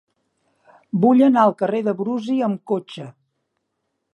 Vull anar al carrer de Brusi amb cotxe.